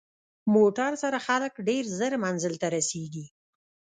موټر سره خلک ډېر ژر منزل ته رسېږي.